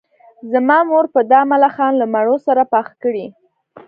زما مور به دا ملخان له مڼو سره پاخه کړي